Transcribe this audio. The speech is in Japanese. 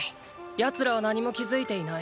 奴らは何も気付いていない。